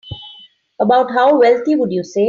About how wealthy would you say?